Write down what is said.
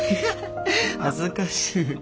恥ずかしい。